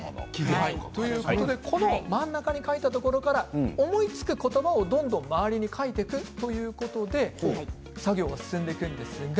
真ん中に書いたところから思いつく言葉をどんどん周りに書いていくということで作業が進んでいきます。